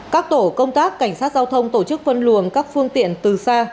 các tổ công tác cảnh sát giao thông tổ chức phân luồng các phương tiện từ xa